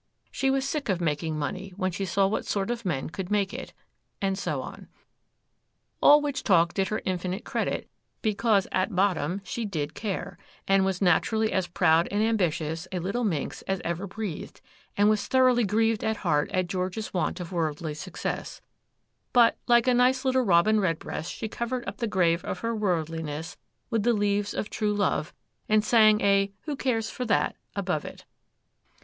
She was sick of making money when she saw what sort of men could make it,'—and so on. All which talk did her infinite credit, because at bottom she did care, and was naturally as proud and ambitious a little minx as ever breathed, and was thoroughly grieved at heart at George's want of worldly success; but, like a nice little Robin Redbreast, she covered up the grave of her worldliness with the leaves of true love, and sang a 'Who cares for that?' above it.